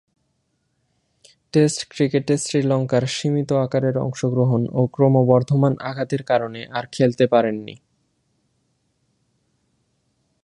Test ক্রিকেটে শ্রীলঙ্কার সীমিত আকারের অংশগ্রহণ ও ক্রমবর্ধমান আঘাতের কারণে আর খেলতে পারেননি।